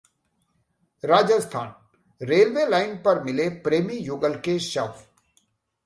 Rajasthan railway line पर मिले प्रेमी युगल के शव